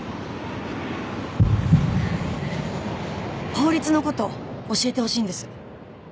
法律の事教えてほしいんです。